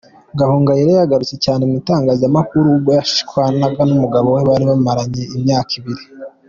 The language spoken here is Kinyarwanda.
Gahongayire yagarutse cyane mu itangazamakuru ubwo yashwana n’umugabo we bari bamaranye imyaka ibiri.